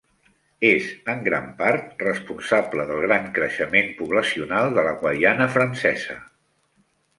És en gran part responsable del gran creixement poblacional de la Guaiana francesa